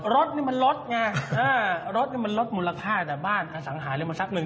รถนี่มันลดไงรถนี่มันลดมูลค่าแต่บ้านอสังหารเลยมาสักหนึ่ง